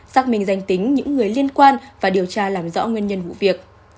xác minh danh tính những người liên quan và điều tra làm rõ nguyên nhân vụ việc